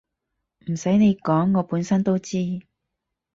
唔使你講我本身都知